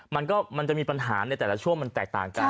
มันก็มันจะมีปัญหาในแต่ละช่วงมันแตกต่างกัน